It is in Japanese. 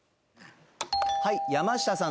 はい山下さん